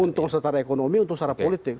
untung secara ekonomi untuk secara politik